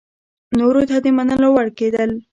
نورو ته د منلو وړ کېدل